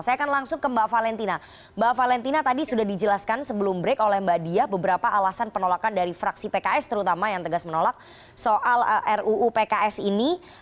saya akan langsung ke mbak valentina mbak valentina tadi sudah dijelaskan sebelum break oleh mbak dia beberapa alasan penolakan dari fraksi pks terutama yang tegas menolak soal ruu pks ini